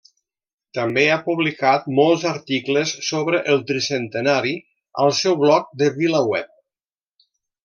També ha publicat molts articles sobre el Tricentenari al seu bloc de VilaWeb.